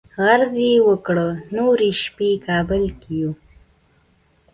عرض یې وکړ نورې شپې کابل کې یو.